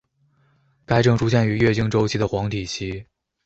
该症出现于月经周期的黄体期。